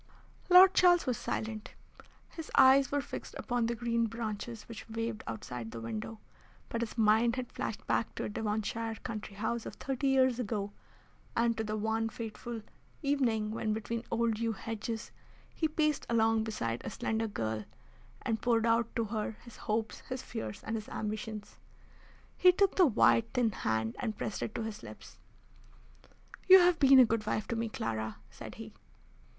Lord Charles was silent. His eyes were fixed upon the green branches which waved outside the window; but his mind had flashed back to a Devonshire country house of thirty years ago, and to the one fateful evening when, between old yew hedges, he paced along beside a slender girl, and poured out to her his hopes, his fears, and his ambitious. He took the white, thin hand and pressed it to his lips. "You, have been a good wife to me, Clara," said he.